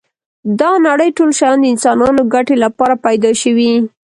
دا نړی ټول شیان د انسانانو ګټی لپاره پيدا شوی